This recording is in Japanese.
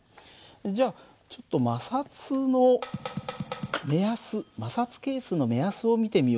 じゃあちょっと摩擦の目安摩擦係数の目安を見てみようか。